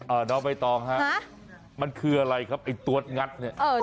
น้องใบตองฮะมันคืออะไรครับไอ้ตัวงัดเนี่ยเออ